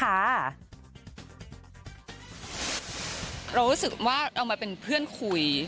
เรารู้สึกว่าเรามาเป็นเพื่อนคุย